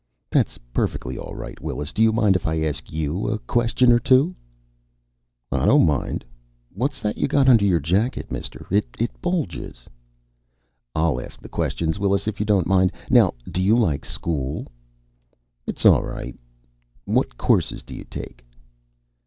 "That's perfectly all right, Willis. Do you mind if I ask you a question or two?" "I don't mind. What's that you got under your jacket, Mister? It bulges." "I'll ask the questions, Willis, if you don't mind.... Now, do you like school?" "It's all right." "What courses do you take?"